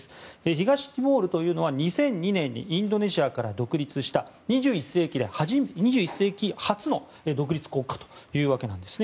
東ティモールというのは２００２年にインドネシアから独立した２１世紀初の独立国家というわけなんです。